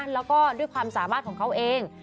แล้วก็ด้วยความสามารถของเขาเอง